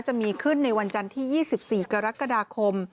จะมีขึ้นในวันจันทร์ที่๒๔กรกฎาคม